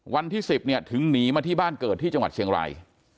วันที่๑๐เนี่ยถึงหนีมาที่บ้านเกิดที่จังหวัดเชียงราย